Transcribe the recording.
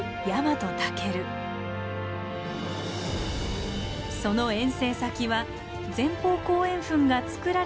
その遠征先は前方後円墳がつくられた土地と重なります。